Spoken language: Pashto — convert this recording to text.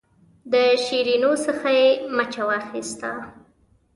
د شیرینو څخه یې مچه واخیسته.